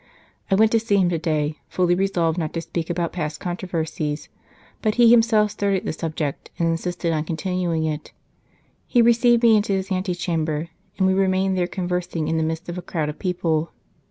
I went to see him to day, fully resolved not to speak about past controversies, but he himself started the subject, and insisted on continuing it. He received me in his ante chamber, and we remained there conversing in the midst of a crowd of people.